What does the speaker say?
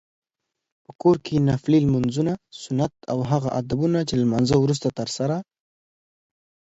په کور کې نفلي لمونځونه، سنت او هغه ادبونه چې له لمانځته وروسته ترسره